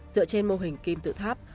dựa trên mô hình kim tự tháp